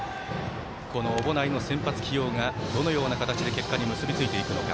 小保内の先発起用がどのような形で結果に結びついていくのか。